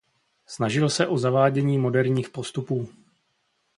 Snažil se o zavádění moderních postupů.